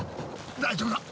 大丈夫か？